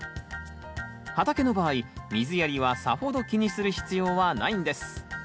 畑の場合水やりはさほど気にする必要はないんです。